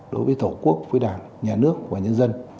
đối với tổ quốc với đảng nhà nước và nhân dân